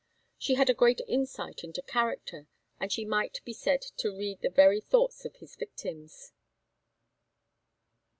She had a great insight into character, and she might be said to read the very thoughts of his victims.